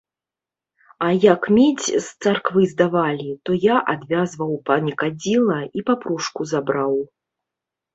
А як медзь з царквы здавалі, то я адвязваў панікадзіла і папружку забраў.